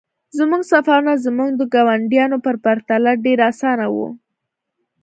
زموږ سفرونه زموږ د ګاونډیانو په پرتله ډیر اسانه وو